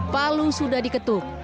palu sudah diketuk